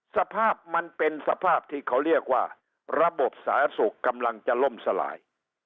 สภาพมันเป็นสภาพที่เขาเรียกว่าระบบสาธารณสุขกำลังจะล่มสลาย